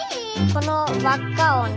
この輪っかをね